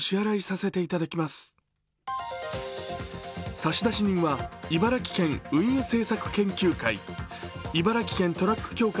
差出人は茨城県運輸政策研究会。